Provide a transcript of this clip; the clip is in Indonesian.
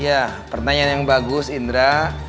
ya pertanyaan yang bagus indra